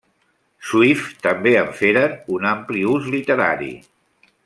Swift també en feren un ampli ús literari.